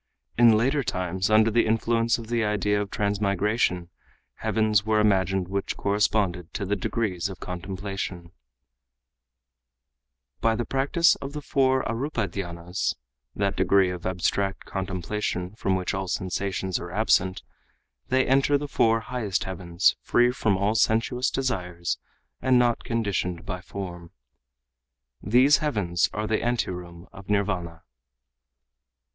In later times under the influence of the idea of transmigration heavens were imagined which corresponded to the degrees of contemplation.] can enter the sixteen heavens conditioned by form. By the practice of the four arûpa dhyânas [Footnote: That degree of abstract contemplation from which all sensations are absent.] they enter the four highest heavens free from all sensuous desires and not conditioned by form. These heavens are the anteroom of Nirvana."